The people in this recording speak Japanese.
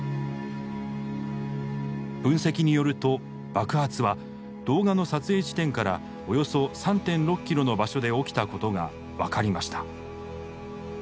分析によると爆発は動画の撮影地点からおよそ３．６キロの場所で起きたことが分かりました。